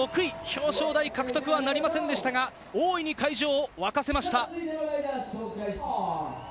表彰台獲得はなりませんでしたが、大いに会場を沸かせました。